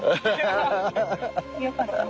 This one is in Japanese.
よかったね。